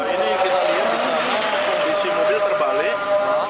ini yang kita lihat kondisi mobil terbalik